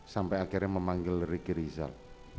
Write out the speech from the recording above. sampai akhirnya memanggil ricky rizal